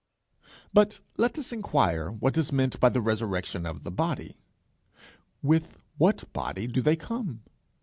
But let us inquire what is meant by the resurrection of the body. "With what body do they come?"